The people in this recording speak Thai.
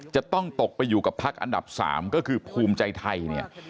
จะต้องตกไปอยู่กับพักอันดับ๓ก็คือภูมิใจไทยเนี่ย